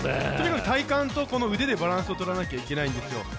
とにかく体幹と腕でバランスをとらなきゃいけないんですよ。